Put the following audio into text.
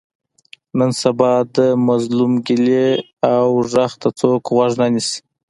نن سبا د مظلوم ګیلې او غږ ته څوک غوږ نه نیسي.